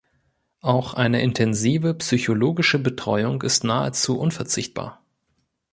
Auch eine intensive psychologische Betreuung ist nahezu unverzichtbar.